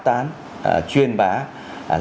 tán truyền bản